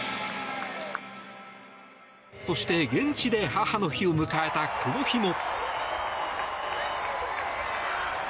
そして、現地で母の日を迎えたこの日も。